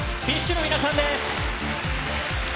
ＢｉＳＨの皆さんです。